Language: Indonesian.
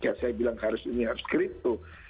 ya saya bilang harus ini harus kripto